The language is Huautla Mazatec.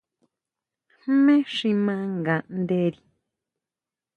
¿Jmé xi ʼma nganderi?